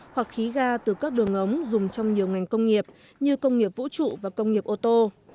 hoặc khí ga từ các đường ống dùng trong nhiều ngành công nghiệp như công nghiệp vũ trụ và công nghiệp ô tô